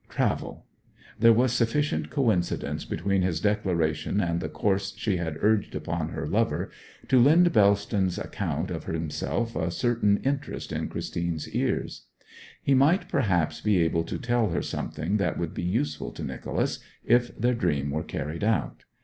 Travel. There was sufficient coincidence between his declaration and the course she had urged upon her lover, to lend Bellston's account of himself a certain interest in Christine's ears. He might perhaps be able to tell her something that would be useful to Nicholas, if their dream were carried out.